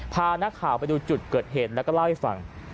พานักข่าวไปดูจุดเกิดเหตุแล้วก็เล่าให้ฟัง